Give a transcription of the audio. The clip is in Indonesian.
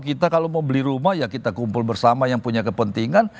kita kalau mau beli rumah ya kita kumpul bersama yang punya kepentingan